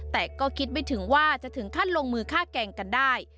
แต่ก็คิดไม่ถึงว่าจะถึงขั้นลงมือฆ่าแกล้งกันได้